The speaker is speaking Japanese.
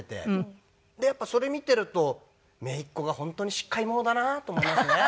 でやっぱりそれを見ていると姪っ子が本当にしっかり者だなと思いますね。